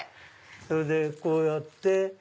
それでこうやって。